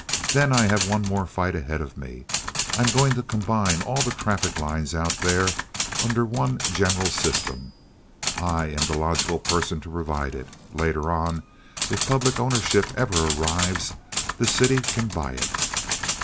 Then I have one more fight ahead of me. I'm going to combine all the traffic lines out there under one general system. I am the logical person to provide it. Later on, if public ownership ever arrives, the city can buy it."